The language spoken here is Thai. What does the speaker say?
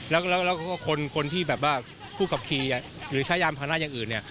แล้วก็คนที่ผู้ขับขี่หรือช่ายยานภาคหน้าอย่างอื่น